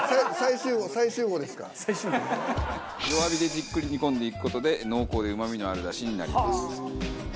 弱火でじっくり煮込んでいく事で濃厚でうまみのある出汁になります。